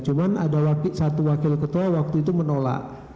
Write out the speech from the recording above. cuma ada satu wakil ketua waktu itu menolak